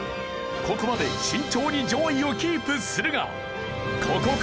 ここまで慎重に上位をキープするが。